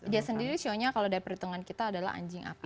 dia sendiri shownya kalau dari perhitungan kita adalah anjing api